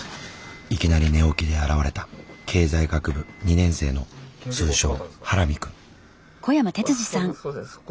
いきなり寝起きで現れた経済学部２年生の通称ハラミ君。